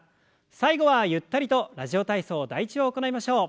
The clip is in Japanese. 最後はゆったりと「ラジオ体操第１」を行いましょう。